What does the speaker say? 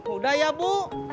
udah ya bu